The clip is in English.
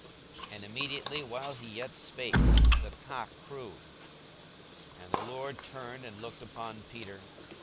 And immediately, while he yet spake, the cock crew. 42:022:061 And the Lord turned, and looked upon Peter.